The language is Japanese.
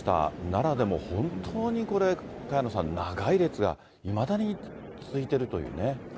奈良でも本当にこれ、萱野さん、長い列がいまだに続いているというね。